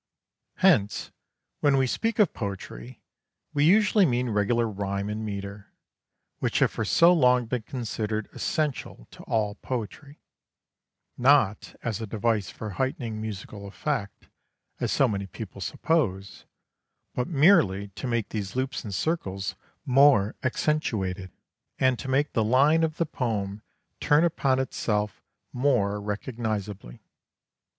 Hence, when we speak of poetry we usually mean regular rhyme and metre, which have for so long been considered essential to all poetry, not as a device for heightening musical effect, as so many people suppose, but merely to make these loops and circles more accentuated, and to make the line of the poem turn upon itself more recognizably.